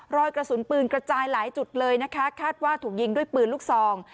รอยกระสุนปืนกระจายหลายจุดเลยนะคะคาดว่าถูกยิงด้วยปืนลูกซอง